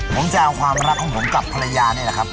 ผมจะเอาความรักของผมกับภรรยานี่แหละครับ